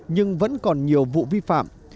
nhưng vẫn còn nhiều vụ vi phạm